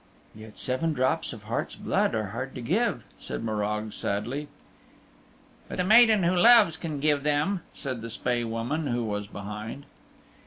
"Yet seven drops of heart's blood are hard to give," said Morag sadly. "But the maiden who loves can give them," said the Spae Woman who was behind.